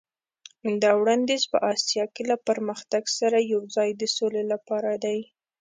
دا وړاندیز په اسیا کې له پرمختګ سره یو ځای د سولې لپاره دی.